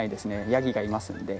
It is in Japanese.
ヤギがいますんで。